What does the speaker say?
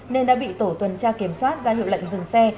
nên đã bị tổ tuần tra kiểm soát ra hiệu lệnh dừng xe